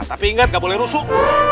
tapi ingat nggak boleh rusuh